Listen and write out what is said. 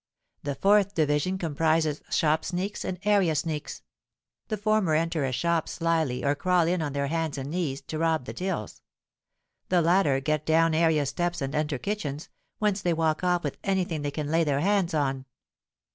The fourth division comprises shop sneaks and area sneaks: the former enter a shop slily, or crawl in on their hands and knees, to rob the tills; the latter get down area steps and enter kitchens, whence they walk off with any thing they can lay their hands on.